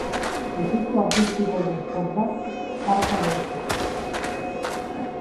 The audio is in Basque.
Ukitu artistikodun fondant tarta berezia.